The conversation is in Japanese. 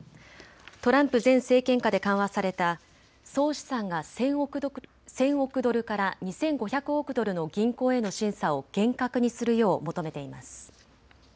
トランプ前政権下で緩和された総資産が１０００億ドルから２５００億ドルの銀行への審査を厳格にするよう求めています。